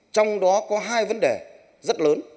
trong đó có hai vấn đề rất lớn